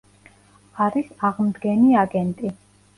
არის აღმდგენი აგენტი.